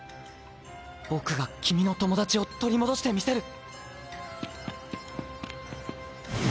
僕が君の友達を取り戻してみせる。